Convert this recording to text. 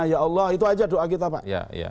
ya allah itu aja doa kita pak